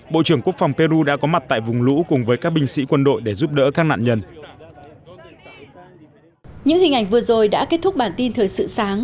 bộ trưởng quốc phòng peru đã có mặt tại vùng lũ cùng với các binh sĩ quân đội để giúp đỡ các nạn nhân